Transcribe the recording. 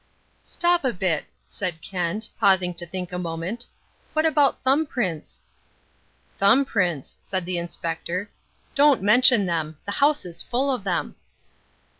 "Stop a bit," said Kent, pausing to think a moment. "What about thumb prints?" "Thumb prints," said the Inspector. "Don't mention them. The house is full of them."